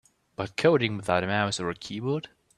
But coding without a mouse or a keyboard?